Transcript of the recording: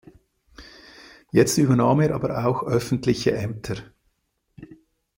Jetzt übernahm er aber auch öffentliche Ämter.